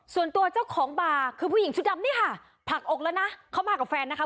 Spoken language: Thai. ส่วนตัวเจ้าของบาร์คือผู้หญิงชุดดำนี่ค่ะผลักอกแล้วนะเขามากับแฟนนะคะ